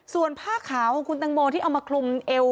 ส่วนผ้าขาวของคุณตังโมที่เอามาคลุมเอว